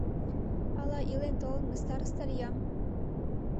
Ала, илен-толын, мый староста лиям.